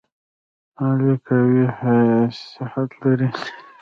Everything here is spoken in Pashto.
علي قوي صحت لري.